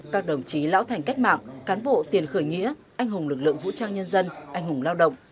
các đồng chí lão thành cách mạng cán bộ tiền khởi nghĩa anh hùng lực lượng vũ trang nhân dân anh hùng lao động